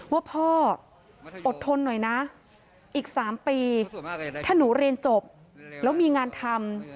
ว่าพ่ออดทนหน่อยนะอีก๓ปีถ้าหนูเรียนจบแล้วมีงานทำ